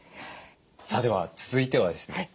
さあでは続いてはですね